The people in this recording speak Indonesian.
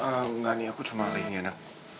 enggak nih aku cuma lagi nyenyak